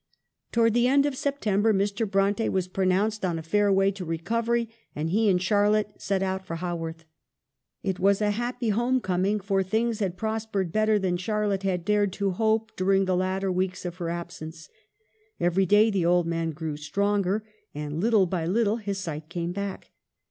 Towards the end of September Mr. Bronte was pronounced on a fair way to recovery, and he and Charlotte set out for Haworth. It was a happy home coming, for things had prospered better than Charlotte had dared to hope during the latter weeks of her absence. Every day the old man grew stronger, and little by little his sight came back.